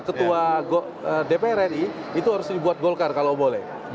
ketua dpr ri itu harus dibuat golkar kalau boleh